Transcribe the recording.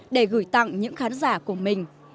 để gửi tặng những khán giả của mình